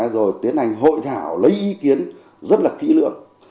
rồi tiến hành hội thảo lấy ý kiến rất là kỹ lưỡng